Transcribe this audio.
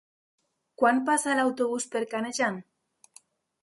Quan passa l'autobús per Canejan?